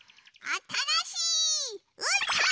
あたらしいうーたん！